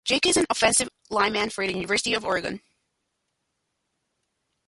Jake is an offensive lineman for the University of Oregon.